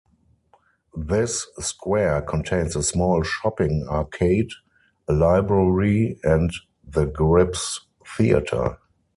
This square contains a small shopping arcade, a library and the Grips-Theater.